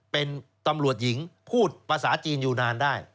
เป็นตำรวจหญิงพูดภาษาจีนอยู่นานได้